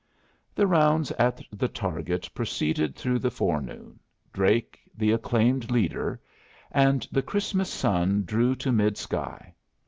The rounds at the target proceeded through the forenoon, Drake the acclaimed leader; and the Christmas sun drew to mid sky.